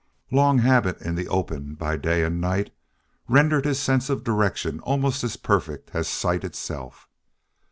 Long habit in the open, by day and night, rendered his sense of direction almost as perfect as sight itself.